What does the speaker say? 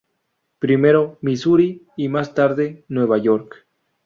Primero, Misuri y, más tarde, Nueva York.